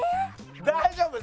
大丈夫！